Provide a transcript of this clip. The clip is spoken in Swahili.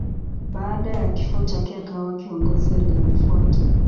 Baada ya kifo chake akawa kiongozi aliyemfuata.